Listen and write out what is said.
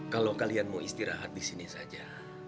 kalau kalian mau istirahat di sini saja